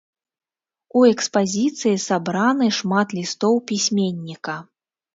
У экспазіцыі сабраны шмат лістоў пісьменніка.